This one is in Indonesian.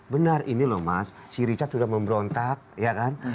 benar ini loh mas si richard sudah memberontak ya kan